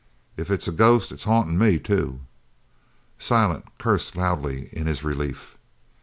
If it's a ghost, it's hauntin' me too!" Silent cursed loudly in his relief.